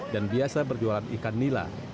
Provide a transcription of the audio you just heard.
dan biasa berjualan ikan nila